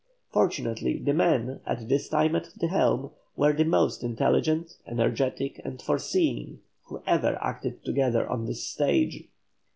Fortunately the men at this time at the helm were the most intelligent, energetic, and foreseeing who ever acted together on this stage.